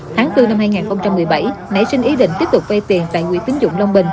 tháng bốn năm hai nghìn một mươi bảy nãy sinh ý định tiếp tục vây tiền tại quỹ tính dụng long bình